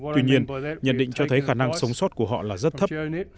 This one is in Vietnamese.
tuy nhiên nhận định cho thấy khả năng sống sót của họ là rất thấp